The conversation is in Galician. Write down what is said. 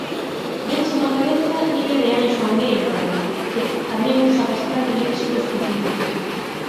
Vénseme á cabeza Iria de Anxo Angueira, que tamén usa bastante léxico específico.